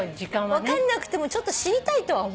分かんなくてもちょっと知りたいとは思うかな。